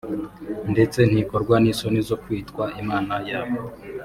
ndetse ntikorwa n’isoni zo kwitwa Imana yabo